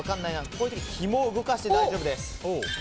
こういう時はひもを動かして大丈夫です。